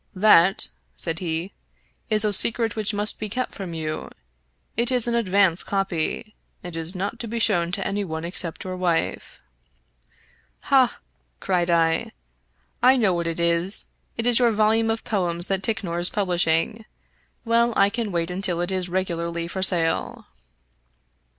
" That," said he, " is a secret which must be kept from you. It is an advance copy, and is not to be shown to any one except your wife." " Ha I " cried I, " I know what it is. It is your volume of poems that Ticknor is publishing. Well, I can wait until it is regularly for sale."